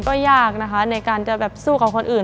ก็ยากในการจะสู้กับคนอื่น